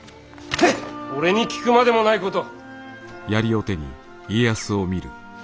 俺に聞くまでもないこと。